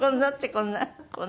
こんな？